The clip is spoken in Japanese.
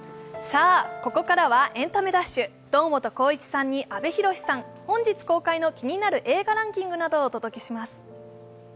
ここからは「エンタメダッシュ」堂本光一さんに阿部寛さん、本日公開の気になる映画ランキングなどをお届けします。